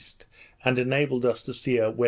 and enabled us to steer W.S.